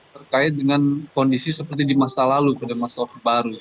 terkait dengan kondisi seperti di masa lalu pada masa baru